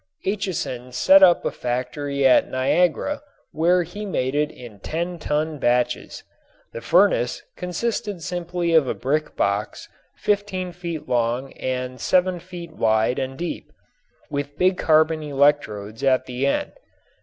Acheson set up a factory at Niagara, where he made it in ten ton batches. The furnace consisted simply of a brick box fifteen feet long and seven feet wide and deep, with big carbon electrodes at the ends.